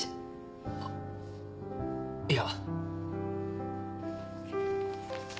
あっいや。